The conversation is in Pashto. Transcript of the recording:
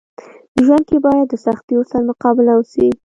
ژوند کي باید د سختيو سره مقابله وسي.